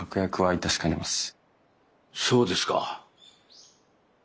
そうですか。